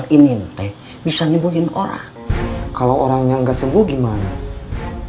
ininte bisa nyebuhin orang kalau orangnya nggak sembuh gimana